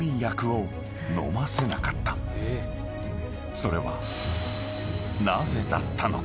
［それはなぜだったのか？］